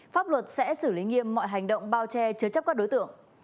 pháp luật sẽ xử lý nghiêm mọi hành động bao che chứa chấp các đối tượng